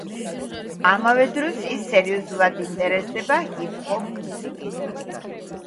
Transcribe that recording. ამავე დროს, ის სერიოზულად ინტერესდება ჰიპ-ჰოპ მუსიკით.